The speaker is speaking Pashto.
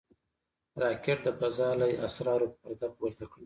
راکټ د فضا له اسرارو پرده پورته کړه